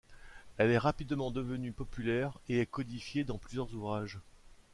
Elle est rapidement devenue populaire et est codifiée dans plusieurs ouvrages.